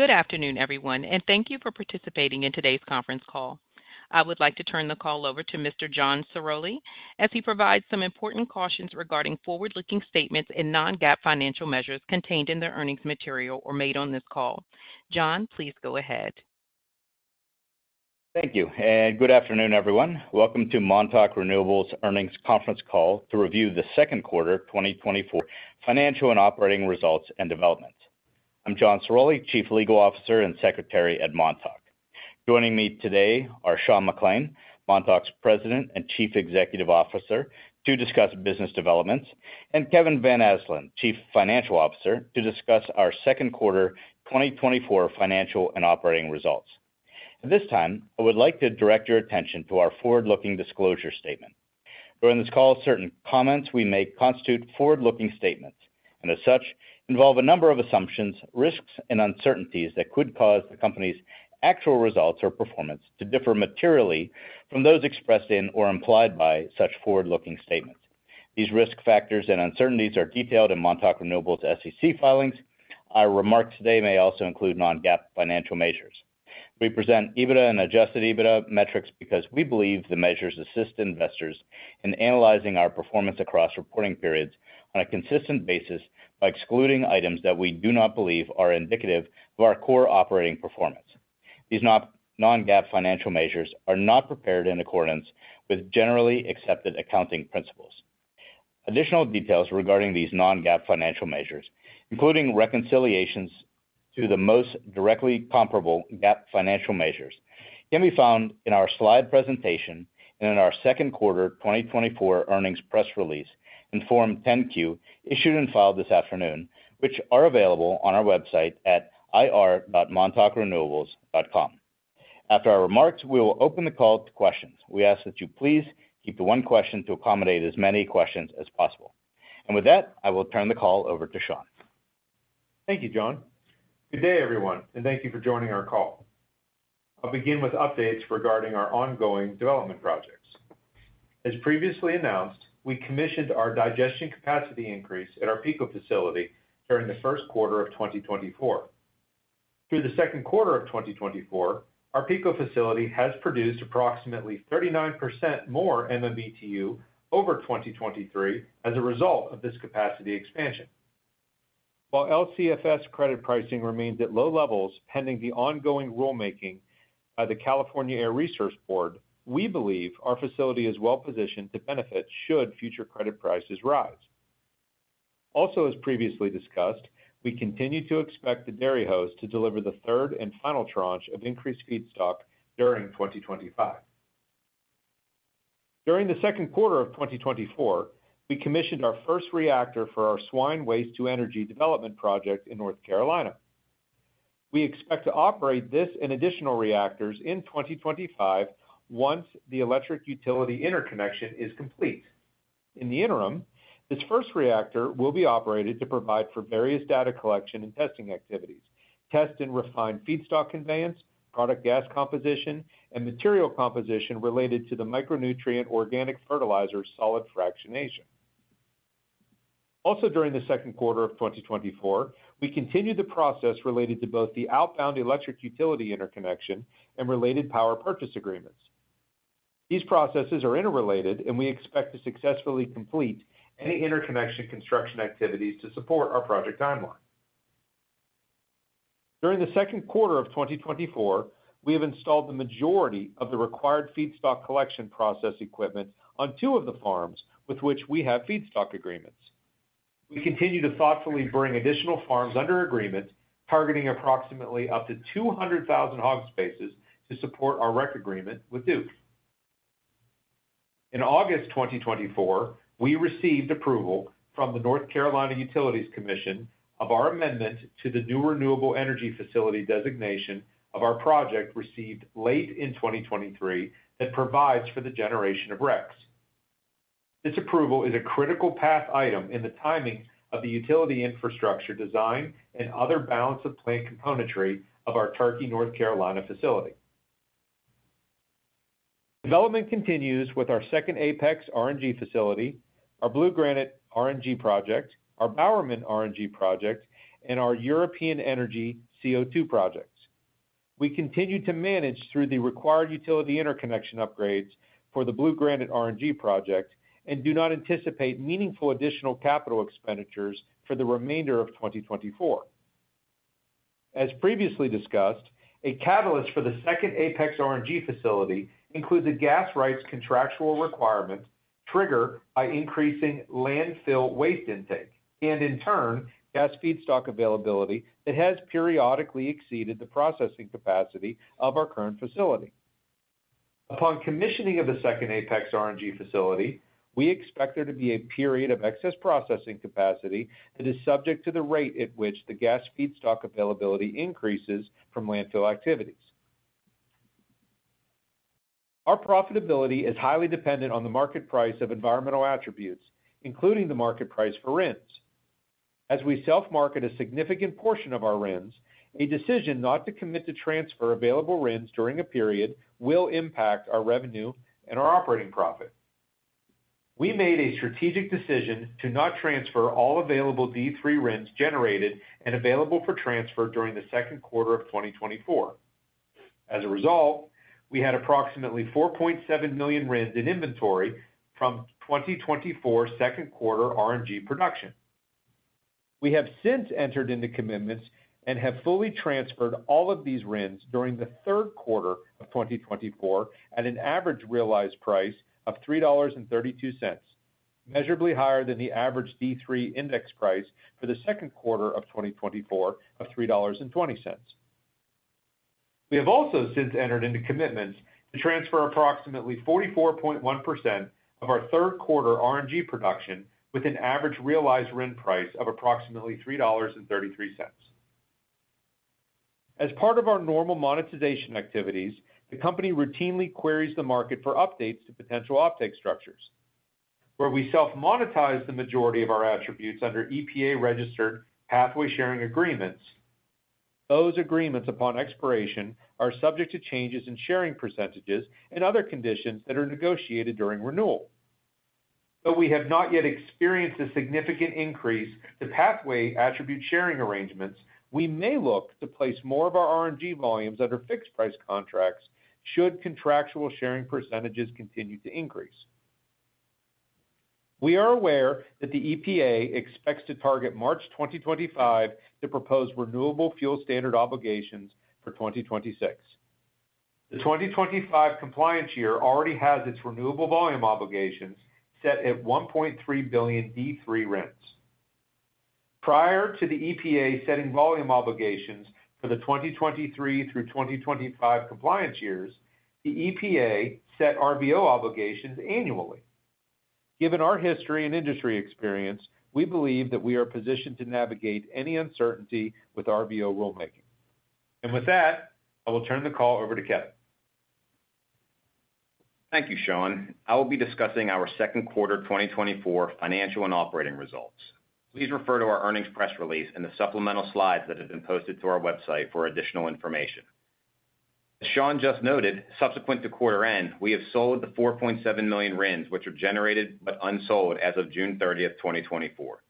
Good afternoon, everyone, and thank you for participating in today's conference call. I would like to turn the call over to Mr. John Ciroli, as he provides some important cautions regarding forward-looking statements and non-GAAP financial measures contained in the earnings material or made on this call. John, please go ahead. Thank you, and good afternoon, everyone. Welcome to Montauk Renewables earnings conference call to review the second quarter 2024 financial and operating results and development. I'm John Ciroli, Chief Legal Officer and Secretary at Montauk. Joining me today are Sean McClain, Montauk's President and Chief Executive Officer, to discuss business developments, and Kevin Van Asdalan, Chief Financial Officer, to discuss our second quarter 2024 financial and operating results. At this time, I would like to direct your attention to our forward-looking disclosure statement. During this call, certain comments we make constitute forward-looking statements, and as such, involve a number of assumptions, risks, and uncertainties that could cause the company's actual results or performance to differ materially from those expressed in or implied by such forward-looking statements. These risk factors and uncertainties are detailed in Montauk Renewables' SEC filings. Our remarks today may also include non-GAAP financial measures. We present EBITDA and Adjusted EBITDA metrics because we believe the measures assist investors in analyzing our performance across reporting periods on a consistent basis by excluding items that we do not believe are indicative of our core operating performance. These non-GAAP financial measures are not prepared in accordance with generally accepted accounting principles. Additional details regarding these non-GAAP financial measures, including reconciliations to the most directly comparable GAAP financial measures, can be found in our slide presentation and in our second quarter 2024 earnings press release in Form 10-Q, issued and filed this afternoon, which are available on our website at ir.montaukrenewables.com. After our remarks, we will open the call to questions. We ask that you please keep it one question to accommodate as many questions as possible. And with that, I will turn the call over to Sean. Thank you, John. Good day, everyone, and thank you for joining our call. I'll begin with updates regarding our ongoing development projects. As previously announced, we commissioned our digestion capacity increase at our Pico facility during the first quarter of 2024. Through the second quarter of 2024, our Pico facility has produced approximately 39% more MMBtu over 2023 as a result of this capacity expansion. While LCFS credit pricing remains at low levels, pending the ongoing rulemaking by the California Air Resources Board, we believe our facility is well positioned to benefit should future credit prices rise. Also, as previously discussed, we continue to expect the dairy hosts to deliver the third and final tranche of increased feedstock during 2025. During the second quarter of 2024, we commissioned our first reactor for our swine waste-to-energy development project in North Carolina. We expect to operate this and additional reactors in 2025 once the electric utility interconnection is complete. In the interim, this first reactor will be operated to provide for various data collection and testing activities, test and refine feedstock conveyance, product gas composition, and material composition related to the micronutrient organic fertilizer solid fractionation. Also, during the second quarter of 2024, we continued the process related to both the outbound electric utility interconnection and related power purchase agreements. These processes are interrelated, and we expect to successfully complete any interconnection construction activities to support our project timeline. During the second quarter of 2024, we have installed the majority of the required feedstock collection process equipment on two of the farms with which we have feedstock agreements. We continue to thoughtfully bring additional farms under agreement, targeting approximately up to 200,000 hog spaces to support our REC agreement with Duke. In August 2024, we received approval from the North Carolina Utilities Commission of our amendment to the new renewable energy facility designation of our project, received late in 2023, that provides for the generation of RECs. This approval is a critical path item in the timing of the utility infrastructure design and other balance of plant componentry of our Turkey, North Carolina, facility. Development continues with our second Apex RNG facility, our Blue Granite RNG project, our Bowerman RNG project, and our European Energy CO2 projects. We continue to manage through the required utility interconnection upgrades for the Blue Granite RNG project and do not anticipate meaningful additional capital expenditures for the remainder of 2024. As previously discussed, a catalyst for the second Apex RNG facility includes a gas rights contractual requirement triggered by increasing landfill waste intake and, in turn, gas feedstock availability that has periodically exceeded the processing capacity of our current facility. Upon commissioning of the second Apex RNG facility, we expect there to be a period of excess processing capacity that is subject to the rate at which the gas feedstock availability increases from landfill activities. Our profitability is highly dependent on the market price of environmental attributes, including the market price for RINs. As we self-market a significant portion of our RINs, a decision not to commit to transfer available RINs during a period will impact our revenue and our operating profit. We made a strategic decision to not transfer all available D3 RINs generated and available for transfer during the second quarter of 2024. As a result, we had approximately 4.7 million RINs in inventory from 2024 second quarter RNG production. We have since entered into commitments and have fully transferred all of these RINs during the third quarter of 2024 at an average realized price of $3.32, measurably higher than the average D3 index price for the second quarter of 2024 of $3.20. We have also since entered into commitments to transfer approximately 44.1% of our third quarter RNG production, with an average realized RIN price of approximately $3.33. As part of our normal monetization activities, the company routinely queries the market for updates to potential offtake structures, where we self-monetize the majority of our attributes under EPA-registered pathway sharing agreements. Those agreements, upon expiration, are subject to changes in sharing percentages and other conditions that are negotiated during renewal. Though we have not yet experienced a significant increase to pathway attribute sharing arrangements, we may look to place more of our RNG volumes under fixed-price contracts should contractual sharing percentages continue to increase. We are aware that the EPA expects to target March 2025 to propose renewable fuel standard obligations for 2026. The 2025 compliance year already has its renewable volume obligations set at 1.3 billion D3 RINs. Prior to the EPA setting volume obligations for the 2023 through 2025 compliance years, the EPA set RVO obligations annually. Given our history and industry experience, we believe that we are positioned to navigate any uncertainty with RVO rulemaking. With that, I will turn the call over to Kevin. Thank you, Sean. I will be discussing our second quarter 2024 financial and operating results. Please refer to our earnings press release and the supplemental slides that have been posted to our website for additional information. As Sean just noted, subsequent to quarter end, we have sold the 4.7 million RINs, which were generated but unsold as of June 30, 2024.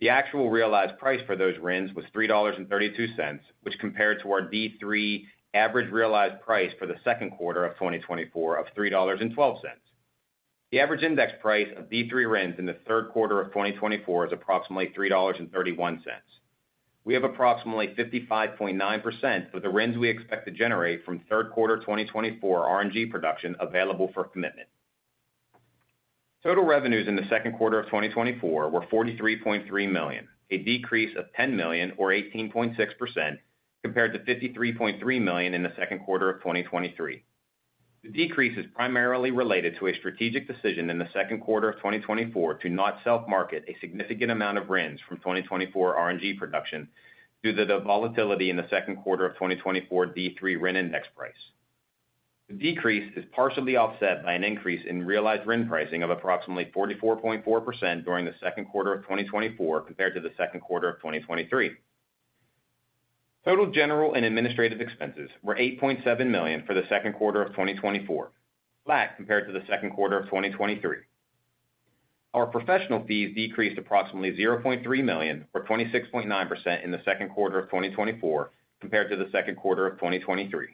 The actual realized price for those RINs was $3.32, which compared to our D3 average realized price for the second quarter of 2024 of $3.12. The average index price of D3 RINs in the third quarter of 2024 is approximately $3.31. We have approximately 55.9% of the RINs we expect to generate from third quarter 2024 RNG production available for commitment. Total revenues in the second quarter of 2024 were $43.3 million, a decrease of $10 million or 18.6%, compared to $53.3 million in the second quarter of 2023. The decrease is primarily related to a strategic decision in the second quarter of 2024 to not self-market a significant amount of RINs from 2024 RNG production due to the volatility in the second quarter of 2024 D3 RIN index price. The decrease is partially offset by an increase in realized RIN pricing of approximately 44.4% during the second quarter of 2024 compared to the second quarter of 2023. Total general and administrative expenses were $8.7 million for the second quarter of 2024, flat compared to the second quarter of 2023. Our professional fees decreased approximately $0.3 million, or 26.9%, in the second quarter of 2024, compared to the second quarter of 2023.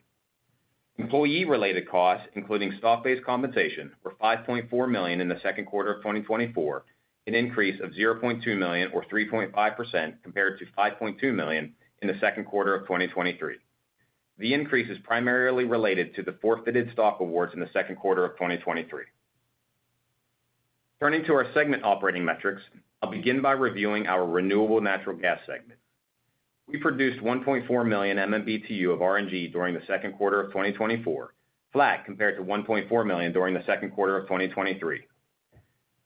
Employee-related costs, including stock-based compensation, were $5.4 million in the second quarter of 2024, an increase of $0.2 million, or 3.5%, compared to $5.2 million in the second quarter of 2023. The increase is primarily related to the forfeited stock awards in the second quarter of 2023. Turning to our segment operating metrics, I'll begin by reviewing our renewable natural gas segment. We produced 1.4 million MMBtu of RNG during the second quarter of 2024, flat compared to 1.4 million during the second quarter of 2023.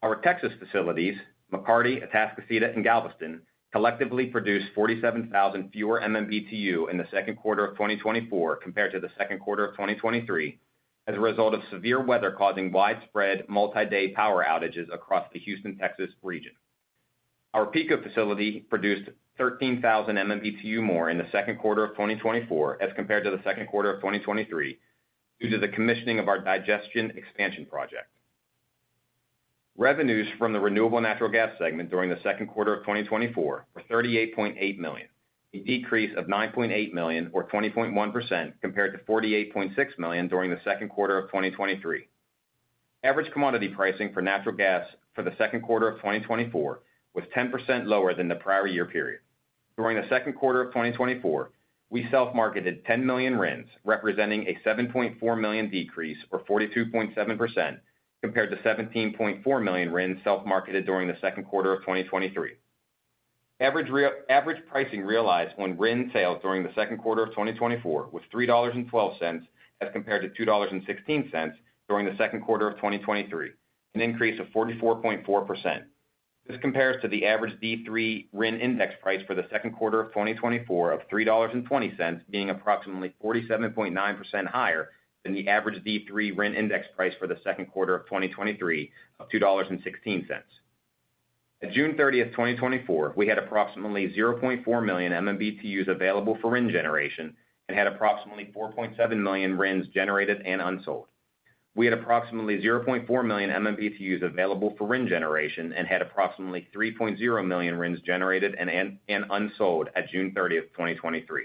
Our Texas facilities, McCarty, Atascocita, and Galveston, collectively produced 47,000 fewer MMBtu in the second quarter of 2024 compared to the second quarter of 2023, as a result of severe weather causing widespread multi-day power outages across the Houston, Texas, region. Our Pico facility produced 13,000 MMBtu more in the second quarter of 2024 as compared to the second quarter of 2023, due to the commissioning of our digestion expansion project. Revenues from the renewable natural gas segment during the second quarter of 2024 were $38.8 million, a decrease of $9.8 million, or 20.1%, compared to $48.6 million during the second quarter of 2023. Average commodity pricing for natural gas for the second quarter of 2024 was 10% lower than the prior year period. During the second quarter of 2024, we self-marketed 10 million RINs, representing a 7.4 million decrease or 42.7%, compared to 17.4 million RINs self-marketed during the second quarter of 2023. Average pricing realized on RIN sales during the second quarter of 2024 was $3.12, as compared to $2.16 during the second quarter of 2023, an increase of 44.4%. This compares to the average D3 RIN index price for the second quarter of 2024 of $3.20, being approximately 47.9% higher than the average D3 RIN index price for the second quarter of 2023 of $2.16. At June 30, 2024, we had approximately 0.4 million MMBtu available for RIN generation and had approximately 4.7 million RINs generated and unsold. We had approximately 0.4 million MMBtu available for RIN generation and had approximately 3.0 million RINs generated and unsold at June 30, 2023.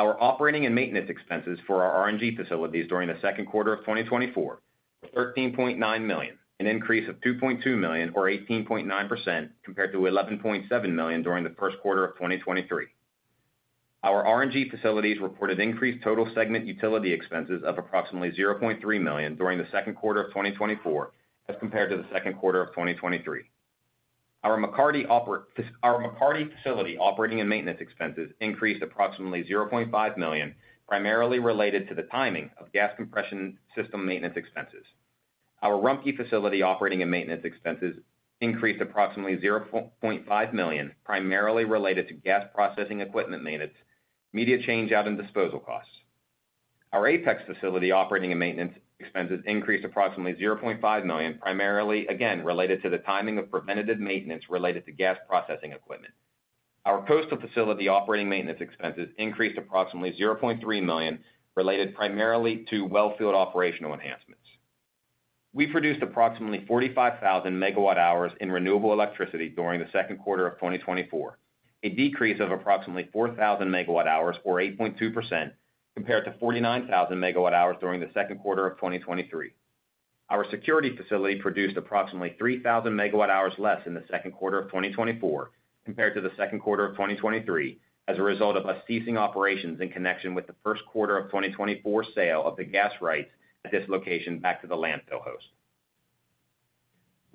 Our operating and maintenance expenses for our RNG facilities during the second quarter of 2024 were $13.9 million, an increase of $2.2 million or 18.9% compared to $11.7 million during the first quarter of 2023. Our RNG facilities reported increased total segment utility expenses of approximately $0.3 million during the second quarter of 2024, as compared to the second quarter of 2023. Our McCarty facility operating and maintenance expenses increased approximately $0.5 million, primarily related to the timing of gas compression system maintenance expenses. Our Rumpke facility operating and maintenance expenses increased approximately $0.5 million, primarily related to gas processing equipment maintenance, media change-out and disposal costs. Our Apex facility operating and maintenance expenses increased approximately $0.5 million, primarily, again, related to the timing of preventative maintenance related to gas processing equipment. Our Coastal facility operating maintenance expenses increased approximately $0.3 million, related primarily to well field operational enhancements. We produced approximately 45,000 megawatt hours in renewable electricity during the second quarter of 2024, a decrease of approximately 4,000 megawatt hours, or 8.2%, compared to 49,000 megawatt hours during the second quarter of 2023. Our Security facility produced approximately 3,000 megawatt hours less in the second quarter of 2024 compared to the second quarter of 2023, as a result of us ceasing operations in connection with the first quarter of 2024 sale of the gas rights at this location back to the landfill host.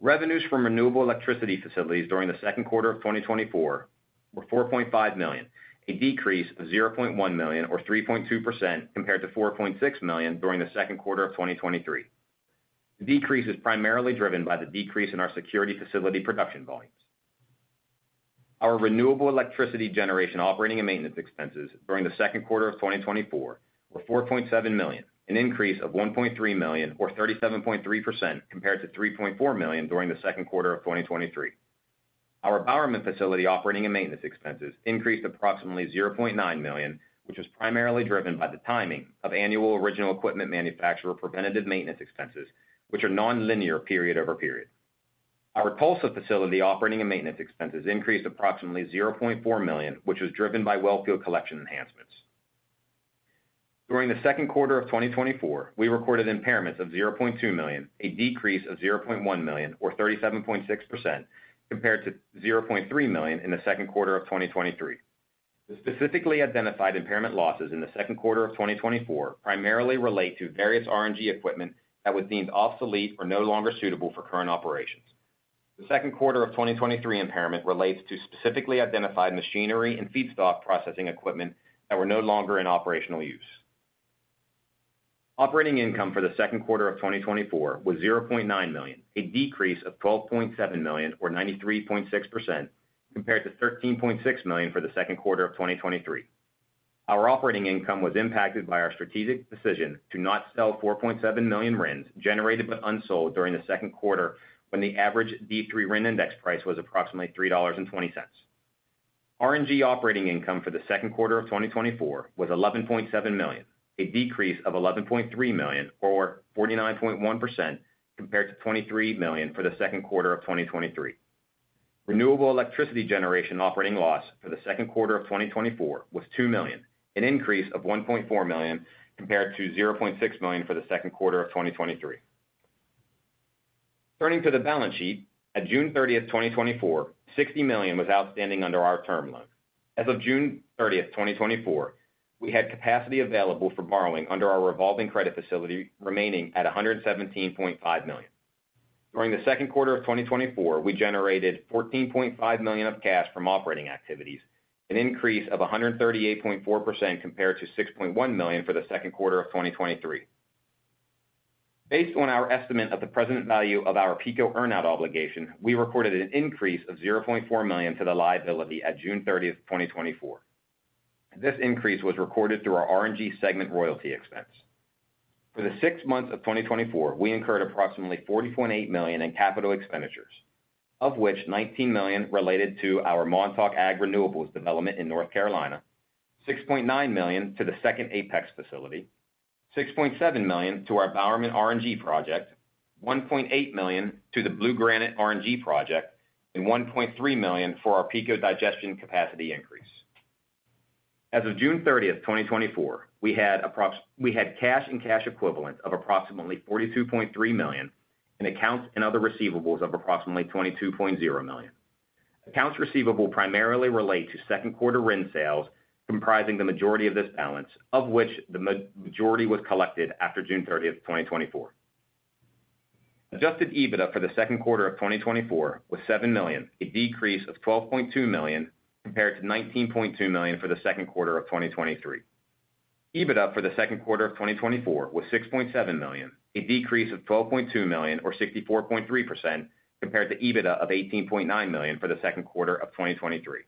Revenues from renewable electricity facilities during the second quarter of 2024 were $4.5 million, a decrease of $0.1 million, or 3.2%, compared to $4.6 million during the second quarter of 2023. The decrease is primarily driven by the decrease in our Security facility production volumes. Our renewable electricity generation operating and maintenance expenses during the second quarter of 2024 were $4.7 million, an increase of $1.3 million, or 37.3%, compared to $3.4 million during the second quarter of 2023. Our Bowerman facility operating and maintenance expenses increased approximately $0.9 million, which was primarily driven by the timing of annual original equipment manufacturer preventative maintenance expenses, which are nonlinear period over period. Our Tulsa facility operating and maintenance expenses increased approximately $0.4 million, which was driven by well field collection enhancements. During the second quarter of 2024, we recorded impairments of $0.2 million, a decrease of $0.1 million, or 37.6%, compared to $0.3 million in the second quarter of 2023. The specifically identified impairment losses in the second quarter of 2024 primarily relate to various RNG equipment that was deemed obsolete or no longer suitable for current operations. The second quarter of 2023 impairment relates to specifically identified machinery and feedstock processing equipment that were no longer in operational use. Operating income for the second quarter of 2024 was $0.9 million, a decrease of $12.7 million, or 93.6%, compared to $13.6 million for the second quarter of 2023. Our operating income was impacted by our strategic decision to not sell 4.7 million RINs, generated but unsold, during the second quarter, when the average D3 RIN index price was approximately $3.20. RNG operating income for the second quarter of 2024 was $11.7 million, a decrease of $11.3 million, or 49.1%, compared to $23 million for the second quarter of 2023. Renewable electricity generation operating loss for the second quarter of 2024 was $2 million, an increase of $1.4 million compared to $0.6 million for the second quarter of 2023. Turning to the balance sheet, at June 30, 2024, $60 million was outstanding under our term loan. As of June 30, 2024, we had capacity available for borrowing under our revolving credit facility, remaining at $117.5 million. During the second quarter of 2024, we generated $14.5 million of cash from operating activities, an increase of 138.4% compared to $6.1 million for the second quarter of 2023. Based on our estimate of the present value of our PICO earn out obligation, we recorded an increase of $0.4 million to the liability at June 30, 2024. This increase was recorded through our RNG segment royalty expense. For the six months of 2024, we incurred approximately $40.8 million in capital expenditures, of which $19 million related to our Montauk Ag Renewables development in North Carolina, $6.9 million to the second Apex facility, $6.7 million to our Bowerman RNG project, $1.8 million to the Blue Granite RNG project, and $1.3 million for our PICO digestion capacity increase. As of June 30, 2024, we had cash and cash equivalent of approximately $42.3 million, and accounts and other receivables of approximately $22.0 million. Accounts receivable primarily relate to second quarter RIN sales, comprising the majority of this balance, of which the majority was collected after June 30, 2024. Adjusted EBITDA for the second quarter of 2024 was $7 million, a decrease of $12.2 million compared to $19.2 million for the second quarter of 2023. EBITDA for the second quarter of 2024 was $6.7 million, a decrease of $12.2 million, or 64.3%, compared to EBITDA of $18.9 million for the second quarter of 2023.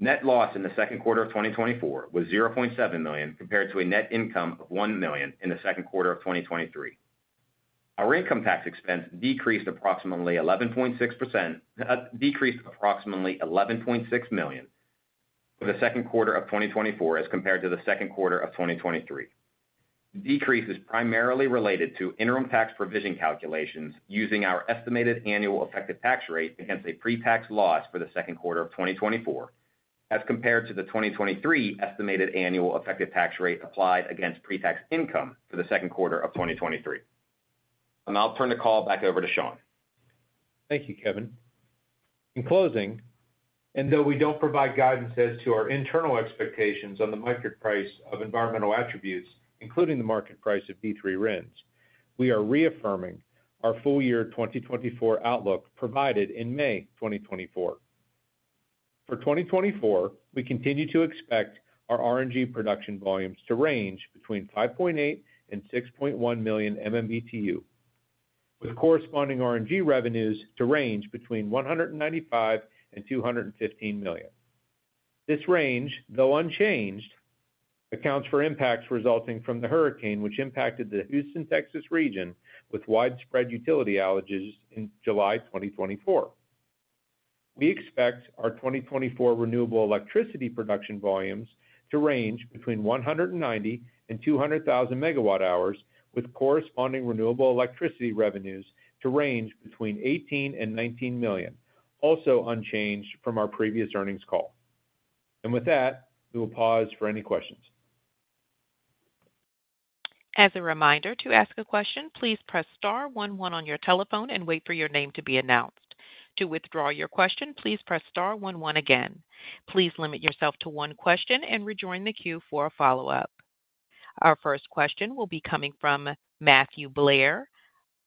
Net loss in the second quarter of 2024 was $0.7 million, compared to a net income of $1 million in the second quarter of 2023. Our income tax expense decreased approximately $11.6 million for the second quarter of 2024 as compared to the second quarter of 2023. Decrease is primarily related to interim tax provision calculations using our estimated annual effective tax rate against a pre-tax loss for the second quarter of 2024, as compared to the 2023 estimated annual effective tax rate applied against pre-tax income for the second quarter of 2023. I'll turn the call back over to Sean. Thank you, Kevin. In closing, and though we don't provide guidance as to our internal expectations on the market price of environmental attributes, including the market price of D3 RINs, we are reaffirming our full year 2024 outlook provided in May 2024. For 2024, we continue to expect our RNG production volumes to range between 5.8 and 6.1 million MMBtu, with corresponding RNG revenues to range between $195 million and $215 million. This range, though unchanged, accounts for impacts resulting from the hurricane, which impacted the Houston, Texas, region with widespread utility outages in July 2024. We expect our 2024 renewable electricity production volumes to range between 190,000 and 200,000 MWh, with corresponding renewable electricity revenues to range between $18 million and $19 million, also unchanged from our previous earnings call. With that, we will pause for any questions. As a reminder, to ask a question, please press star one one on your telephone and wait for your name to be announced. To withdraw your question, please press star one one again. Please limit yourself to one question and rejoin the queue for a follow-up. Our first question will be coming from Matthew Blair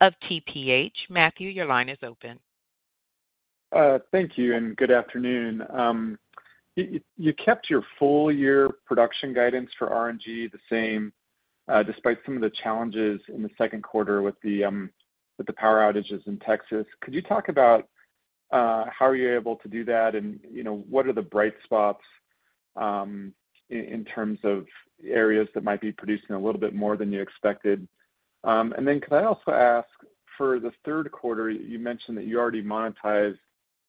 of TPH. Matthew, your line is open. Thank you, and good afternoon. You kept your full year production guidance for RNG the same, despite some of the challenges in the second quarter with the power outages in Texas. Could you talk about how were you able to do that? And, you know, what are the bright spots in terms of areas that might be producing a little bit more than you expected? And then could I also ask for the third quarter, you mentioned that you already monetized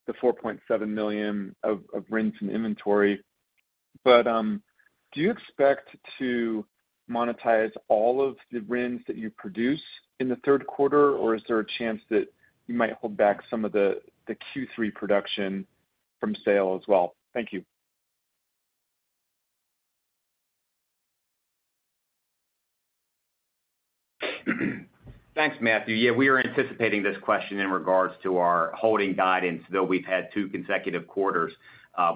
the 4.7 million of RINs in inventory, but do you expect to monetize all of the RINs that you produce in the third quarter? Or is there a chance that you might hold back some of the Q3 production from sale as well? Thank you. Thanks, Matthew. Yeah, we are anticipating this question in regards to our holding guidance, though we've had two consecutive quarters,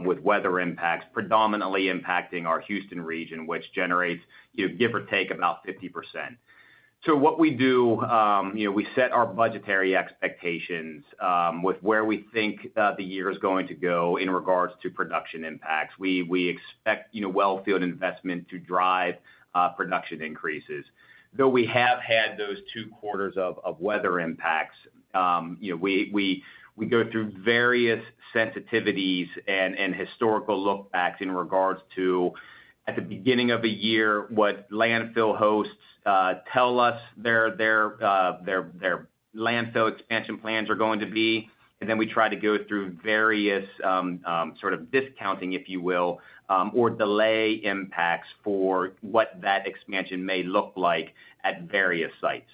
with weather impacts, predominantly impacting our Houston region, which generates, you know, give or take, about 50%. So what we do, you know, we set our budgetary expectations, with where we think, the year is going to go in regards to production impacts. We, we expect, you know, well field investment to drive, production increases. Though we have had those two quarters of weather impacts, you know, we go through various sensitivities and historical look-backs in regards to, at the beginning of the year, what landfill hosts tell us their landfill expansion plans are going to be, and then we try to go through various sort of discounting, if you will, or delay impacts for what that expansion may look like at various sites.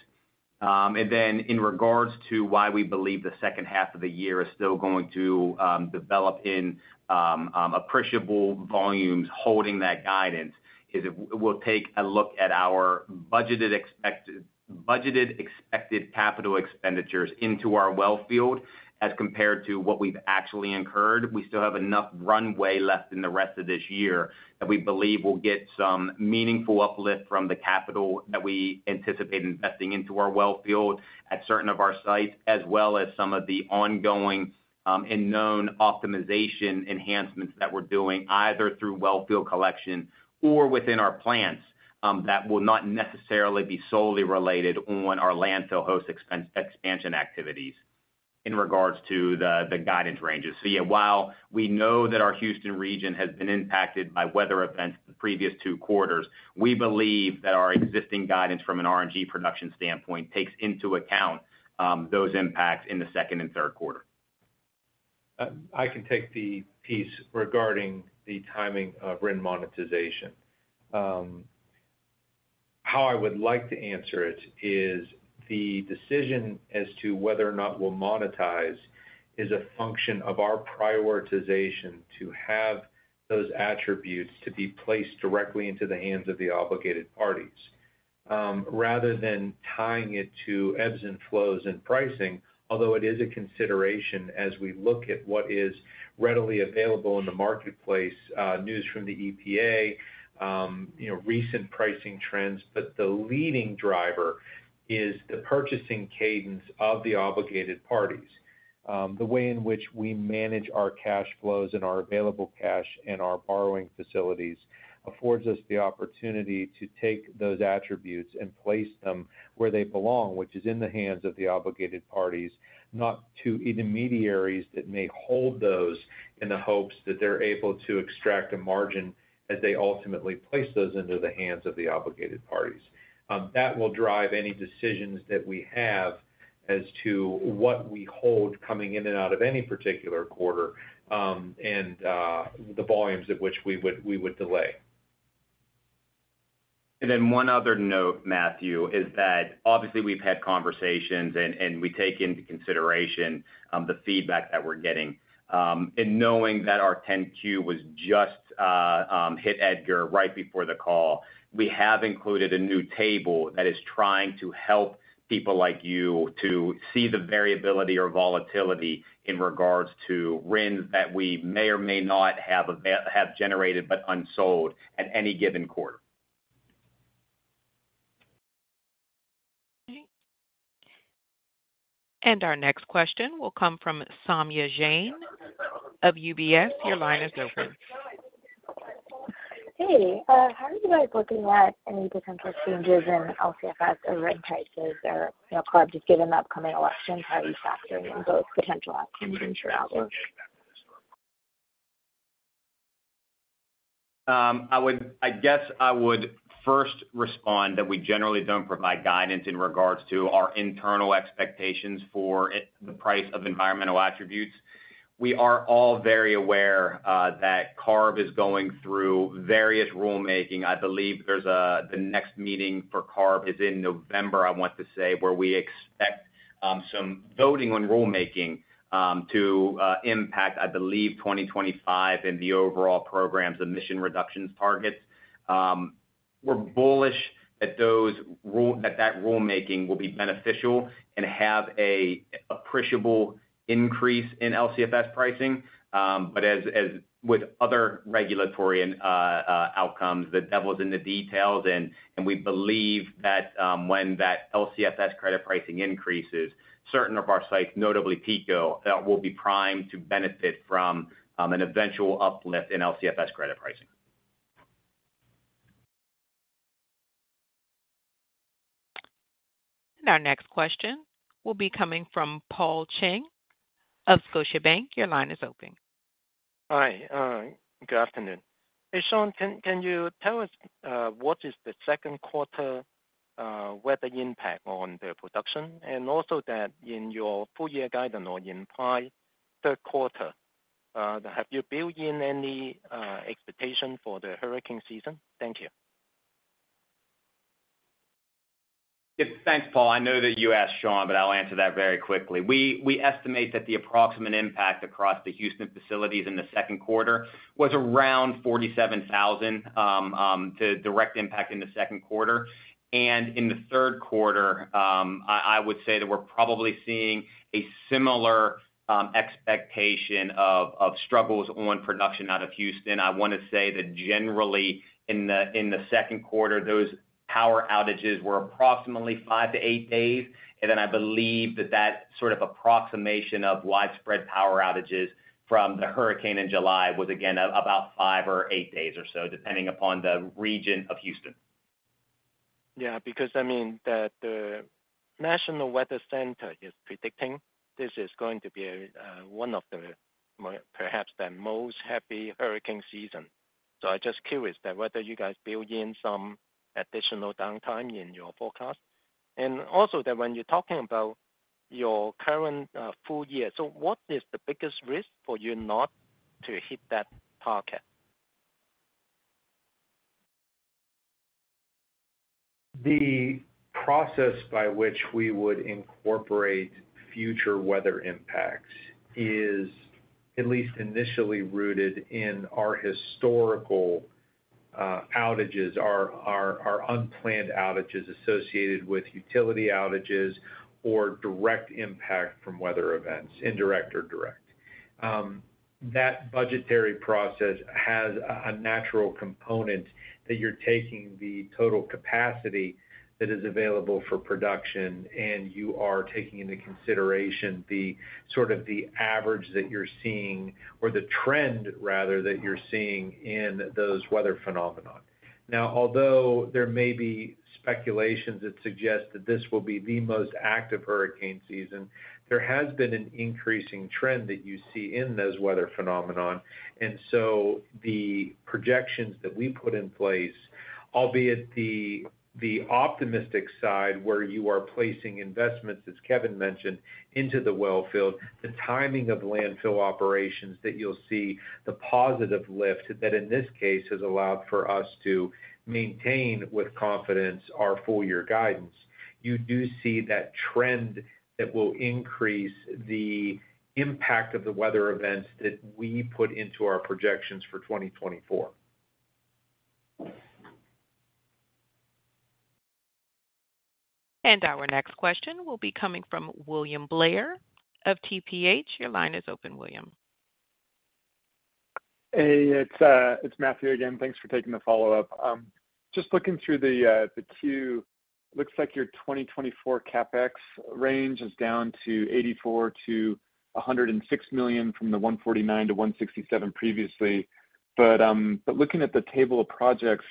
And then in regards to why we believe the second half of the year is still going to develop in appreciable volumes holding that guidance, is if we'll take a look at our budgeted expected capital expenditures into our well field as compared to what we've actually incurred. We still have enough runway left in the rest of this year that we believe will get some meaningful uplift from the capital that we anticipate investing into our well field at certain of our sites, as well as some of the ongoing, and known optimization enhancements that we're doing, either through well field collection or within our plants, that will not necessarily be solely related on our landfill host expansion activities in regards to the, the guidance ranges. So yeah, while we know that our Houston region has been impacted by weather events the previous two quarters, we believe that our existing guidance from an RNG production standpoint takes into account, those impacts in the second and third quarter. I can take the piece regarding the timing of RIN monetization. How I would like to answer it is, the decision as to whether or not we'll monetize is a function of our prioritization to have those attributes to be placed directly into the hands of the obligated parties, rather than tying it to ebbs and flows and pricing. Although it is a consideration as we look at what is readily available in the marketplace, news from the EPA, you know, recent pricing trends. But the leading driver is the purchasing cadence of the obligated parties. The way in which we manage our cash flows and our available cash and our borrowing facilities affords us the opportunity to take those attributes and place them where they belong, which is in the hands of the obligated parties, not-... to intermediaries that may hold those in the hopes that they're able to extract a margin as they ultimately place those into the hands of the obligated parties. That will drive any decisions that we have as to what we hold coming in and out of any particular quarter, and the volumes at which we would delay. And then one other note, Matthew, is that obviously we've had conversations, and we take into consideration the feedback that we're getting. In knowing that our 10-Q was just hit EDGAR right before the call, we have included a new table that is trying to help people like you to see the variability or volatility in regards to RINs that we may or may not have have generated but unsold at any given quarter. Our next question will come from Soumya Jain of UBS. Your line is open. Hey, how are you guys looking at any potential changes in LCFS or RIN prices or, you know, CARB, just given the upcoming election? How are you factoring in both potential outcomes and outflows? I guess I would first respond that we generally don't provide guidance in regards to our internal expectations for the price of environmental attributes. We are all very aware that CARB is going through various rulemaking. I believe there's the next meeting for CARB is in November, I want to say, where we expect some voting on rulemaking to impact, I believe, 2025 and the overall program's emission reductions targets. We're bullish that that rulemaking will be beneficial and have an appreciable increase in LCFS pricing. But as with other regulatory outcomes, the devil's in the details. And we believe that when that LCFS credit pricing increases, certain of our sites, notably Pico, will be primed to benefit from an eventual uplift in LCFS credit pricing. Our next question will be coming from Paul Cheng of Scotiabank. Your line is open. Hi, good afternoon. Hey, Sean, can you tell us what is the second quarter weather impact on the production? And also that in your full year guidance on implied third quarter, have you built in any expectation for the hurricane season? Thank you. Yeah, thanks, Paul. I know that you asked Sean, but I'll answer that very quickly. We estimate that the approximate impact across the Houston facilities in the second quarter was around $47,000, the direct impact in the second quarter. And in the third quarter, I would say that we're probably seeing a similar expectation of struggles on production out of Houston. I want to say that generally in the second quarter, those power outages were approximately 5-8 days. And then I believe that that sort of approximation of widespread power outages from the hurricane in July was, again, about 5 or 8 days or so, depending upon the region of Houston. Yeah, because, I mean, the National Weather Center is predicting this is going to be a one of the perhaps the most heavy hurricane season. So I'm just curious that whether you guys build in some additional downtime in your forecast. And also that when you're talking about your current full year, so what is the biggest risk for you not to hit that target? The process by which we would incorporate future weather impacts is at least initially rooted in our historical outages, our unplanned outages associated with utility outages or direct impact from weather events, indirect or direct. That budgetary process has a natural component that you're taking the total capacity that is available for production, and you are taking into consideration the sort of the average that you're seeing, or the trend rather, that you're seeing in those weather phenomena. Now, although there may be speculations that suggest that this will be the most active hurricane season, there has been an increasing trend that you see in those weather phenomena. And so the projections that we put in place, albeit the optimistic side, where you are placing investments, as Kevin mentioned, into the well field, the timing of landfill operations that you'll see the positive lift that, in this case, has allowed for us to maintain with confidence our full-year guidance. You do see that trend that will increase the impact of the weather events that we put into our projections for 2024. Our next question will be coming from Matthew Blair of TPH. Your line is open, Matthew. Hey, it's Matthew again. Thanks for taking the follow-up. Just looking through the Q, looks like your 2024 CapEx range is down to $84 million-$106 million from the $149 million-$167 million previously. But looking at the table of projects,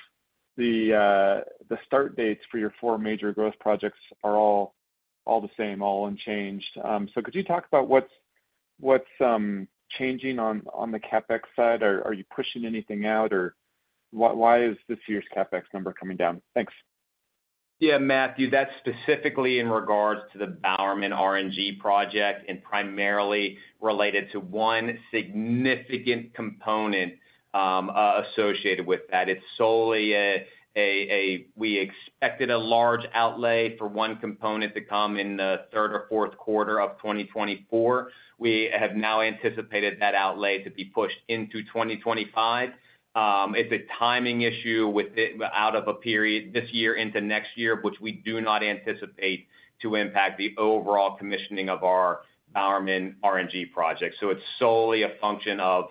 the start dates for your four major growth projects are all the same, all unchanged. So could you talk about what's changing on the CapEx side? Are you pushing anything out, or why is this year's CapEx number coming down? Thanks. Yeah, Matthew, that's specifically in regards to the Bowerman RNG project and primarily related to one significant component associated with that. It's solely, we expected a large outlay for one component to come in the third or fourth quarter of 2024. We have now anticipated that outlay to be pushed into 2025. It's a timing issue out of a period this year into next year, which we do not anticipate to impact the overall commissioning of our Bowerman RNG project. So it's solely a function of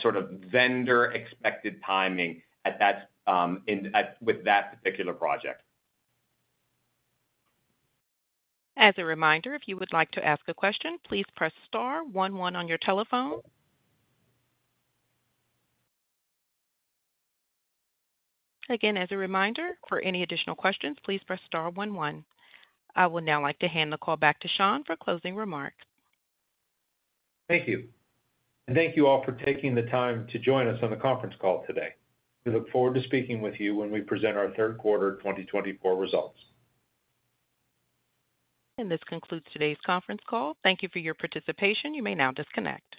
sort of vendor-expected timing with that particular project. As a reminder, if you would like to ask a question, please press star one one on your telephone. Again, as a reminder, for any additional questions, please press star one one. I would now like to hand the call back to Sean for closing remarks. Thank you. Thank you all for taking the time to join us on the conference call today. We look forward to speaking with you when we present our third quarter 2024 results. This concludes today's conference call. Thank you for your participation. You may now disconnect.